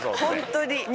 本当に。